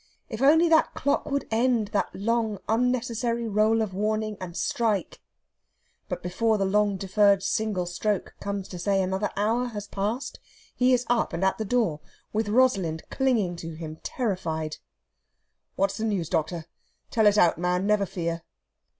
If only that clock would end that long unnecessary roll of warning, and strike! But before the long deferred single stroke comes to say another hour has passed, he is up and at the door, with Rosalind clinging to him terrified. "What's the news, doctor? Tell it out, man! never fear."